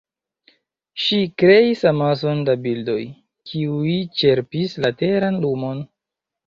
Ŝi kreis amason da bildoj, kiuj ĉerpis la teran lumon.